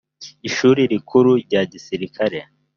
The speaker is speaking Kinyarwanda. ishuri rikuru rya gisirikare